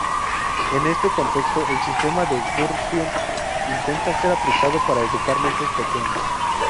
En este contexto, el Sistema de Gurdjieff intenta ser aplicado para educar mentes pequeñas.